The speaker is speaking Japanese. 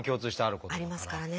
ありますからね。